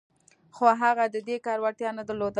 خو هغه د دې کار وړتیا نه درلوده